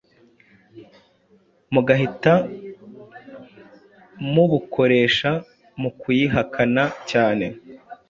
Mugahita Mubukoresha Mukuyihakana cyane